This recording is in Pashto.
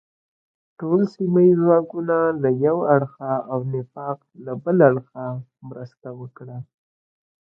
ټول سیمه ییز ځواکونه له یو اړخه او نفاق له بل اړخه مرسته وکړه.